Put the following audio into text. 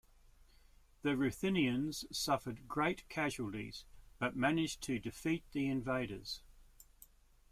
The Ruthenians suffered great casualties, but managed to defeat the invaders.